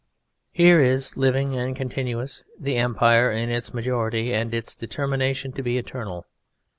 Here is, living and continuous, the Empire in its majority and its determination to be eternal.